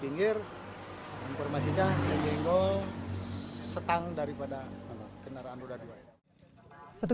neng bawa anak kecil itu